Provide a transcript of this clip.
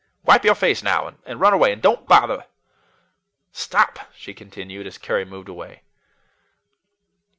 "Wipe your face now, and run away, and don't bother. Stop," she continued, as Carry moved away.